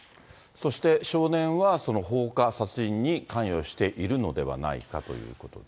そして少年は、放火殺人に関与しているのではないかということで。